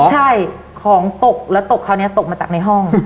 ใช่ของตกแล้วตกคราวนี้ตกมาจากในห้อง